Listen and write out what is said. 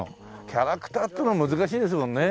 キャラクターってのも難しいですもんね。